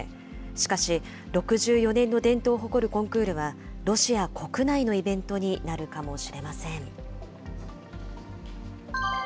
しかし、６４年の伝統を誇るコンクールは、ロシア国内のイベントになるかもしれません。